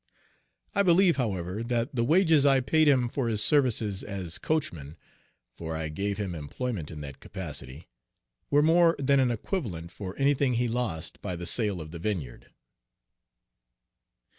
I believe, however, that the wages I paid him for his services as coachman, for I gave him employment in that capacity, were more than an equivalent for anything he lost by the sale of the vineyard.